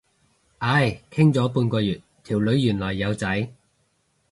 唉，傾咗半個月，條女原來有仔。